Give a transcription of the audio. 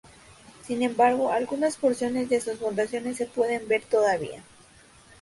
Sin embargo, algunas porciones de sus fundaciones se pueden ver todavía.